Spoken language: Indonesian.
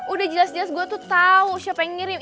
udah jelas jelas gue tuh tau siapa yang ngirim